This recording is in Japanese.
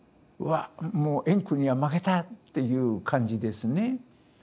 うわっもう円空には負けたっていう感じですね。